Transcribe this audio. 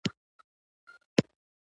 زه د لوبې نتیجه اورم.